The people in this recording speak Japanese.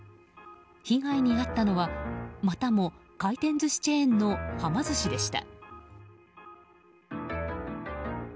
被害に遭ったのはまたも回転寿司チェーンのはま寿司でした。